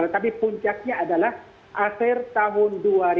tapi puncaknya adalah akhir tahun dua ribu delapan belas